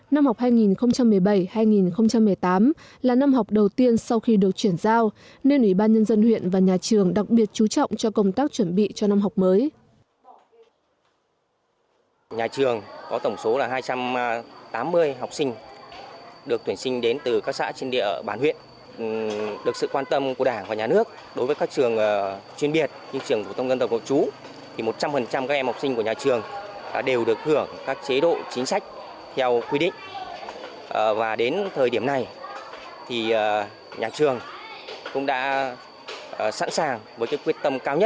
năm học hai nghìn một mươi bảy hai nghìn một mươi tám là năm học đầu tiên sau khi được chuyển giao nên ủy ban nhân dân huyện và nhà trường đặc biệt chú trọng cho công tác chuẩn bị cho năm học mới